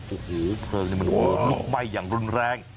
โอ้โหเพลิงมันโหมลุกไหม้อย่างรุนแรง